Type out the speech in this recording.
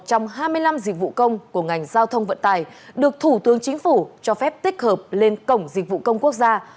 trong hai mươi năm dịch vụ công của ngành giao thông vận tài được thủ tướng chính phủ cho phép tích hợp lên cổng dịch vụ công quốc gia